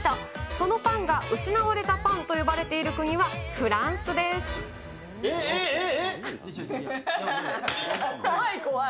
そのパンが失われたパンと呼ばれている国はフランスです。え？え？怖い、怖い。